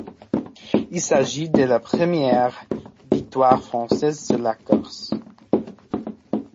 Il s'agit de la première victoire française sur la course.